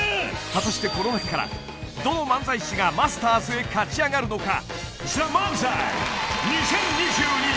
［果たしてこの中からどの漫才師が『マスターズ』へ勝ちあがるのか？］